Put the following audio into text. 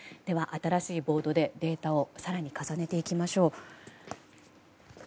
では新しいボードでデータを更に重ねていきましょう。